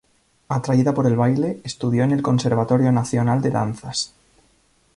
Atraída por el baile, estudió en el Conservatorio Nacional de danzas.